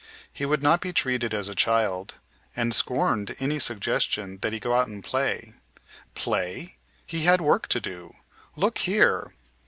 He would not be treated as a child, and scorned any suggestion that he go out and play. Play? He had work to do. Look here!